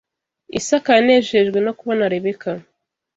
Isaka yanejejwe no kubona Rebeka